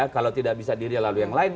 kalau tidak bisa dirial lalu yang lain